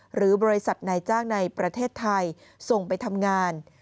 หรือบริษัทนายจ้างในประเทศไทยส่งไปทำงาน